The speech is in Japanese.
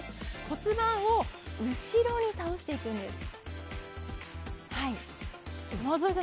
骨盤を後ろに倒していくんです。